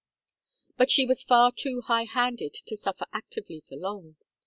But she was far too high handed to suffer actively for long.